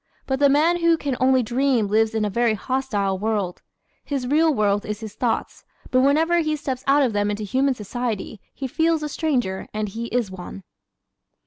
But the man who can only dream lives in a very hostile world. His real world is his thoughts but whenever he steps out of them into human society he feels a stranger and he is one.